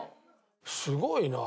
すごいな。